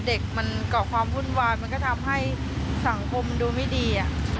เด็กมันเกาะความวุ่นวายมันก็ทำให้สังคมมันดูไม่ดี